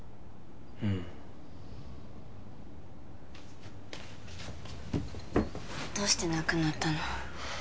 うんどうして亡くなったの？